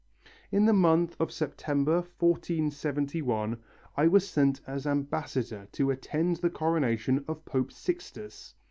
"In the month of September, 1471, I was sent as ambassador to attend the coronation of Pope Sixtus.